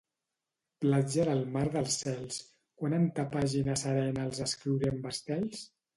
Platja del mar dels cels, quan en ta pàgina serena els escriuré amb estels?